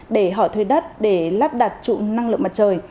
để họ thuê đất để lắp đặt trụng năng lượng mặt trời